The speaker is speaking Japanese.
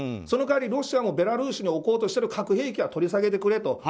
その代わり、ロシアもベラルーシに置こうとしている核兵器は取り下げてくれと。